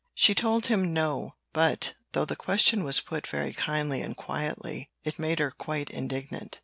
She told him No; but, though the question was put very kindly and quietly, it made her quite indignant.